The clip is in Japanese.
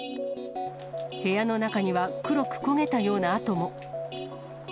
部屋の中には黒く焦げたような跡も。